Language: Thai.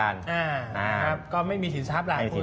อ้าครับก็ไม่มีสินทรัพย์หลานพูดใหม่